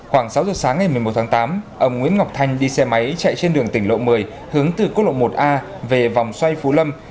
khoảng sáu giờ sáng ngày một mươi một tháng tám ông nguyễn ngọc thanh đi xe máy chạy trên đường tỉnh lộ một mươi hướng từ quốc lộ một a về vòng xoay phú lâm